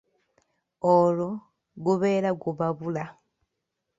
"Olwo gubeera gubabula,"